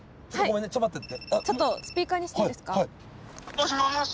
もしもし。